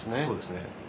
そうですね。